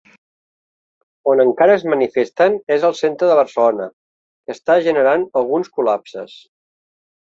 On encara es manifesten és al centre de Barcelona, que està generant alguns col·lpases.